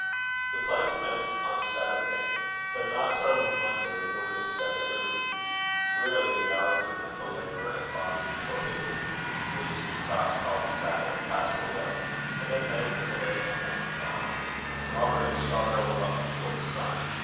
The play commenced on a Saturday; but not till the Monday were they to be set at liberty. Wearily the hours of mental labour and bodily torpidity which the Scotch called the Sabbath passed away, and at length the millennial morning dawned. Robert and Shargar were up before the sun.